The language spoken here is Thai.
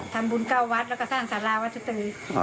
ทำบุญเก้าวัสและสร้างสาราวัฒตึ